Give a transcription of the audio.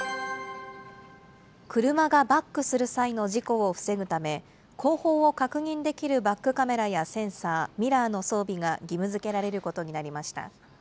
車がバックする際の事故を防ぐため、後方を確認できるバックカメラやセンサー、ミラーの装備が義務づけられることになりました。